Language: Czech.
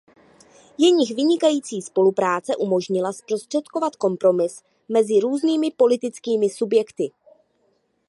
Jejich vynikající spolupráce umožnila zprostředkovat kompromis mezi různými politickými subjekty.